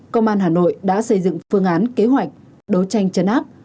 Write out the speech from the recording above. công an hà nội đã xây dựng phương án kế hoạch đấu tranh chấn áp